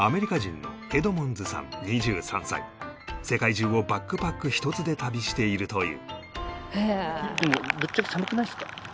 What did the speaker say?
世界中をバックパック１つで旅しているという